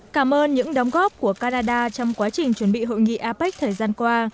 cảm ơn những đóng góp của canada trong quá trình chuẩn bị hội nghị apec thời gian qua